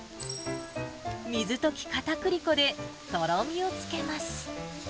水溶きかたくり粉でとろみをつけます。